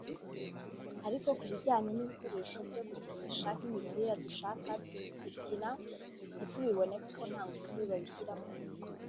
ariko ku bijyanye n’ibikoresho byo gukinisha nk’imipira dushaka gukina ntitubibone kuko nta ngufu babishyiramo